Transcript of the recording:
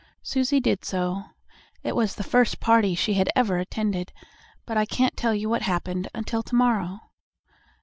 Susie did so. It was the first party she had ever attended, but I can't tell you what happened until to morrow.